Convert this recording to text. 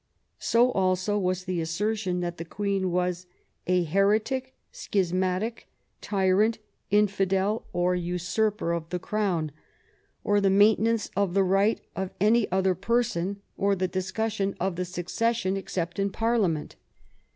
So also was the assertion that the Queen was "a heretic, schismatic, tyrant, infidel, or usurper of tlie Crown," or the maintenance of the right of any other person, or the discussion of the succession, except in Parliament.